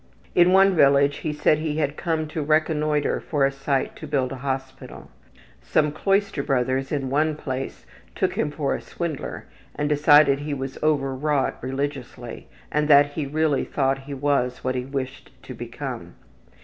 In one village he said he had come to reconnoiter for a site to build a hospital. Some cloister brothers in one place took him for a swindler and decided he was overwrought religiously, and that he really thought he was what he wished to become.